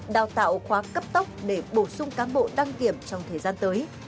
đào tạo khóa cấp tốc để bổ sung cán bộ đăng kiểm trong thời gian tới